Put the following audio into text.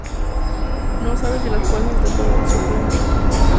No se sabe si las fuerzas del orden sufrieron víctimas.